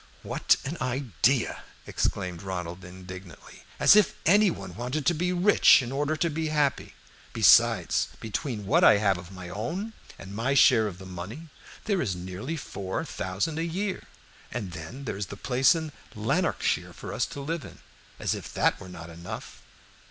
"What an idea!" exclaimed Ronald, indignantly. "As if any one wanted to be rich in order to be happy. Besides, between what I have of my own, and my share of the money, there is nearly four thousand a year; and then there is the place in Lanarkshire for us to live in. As if that were not enough!"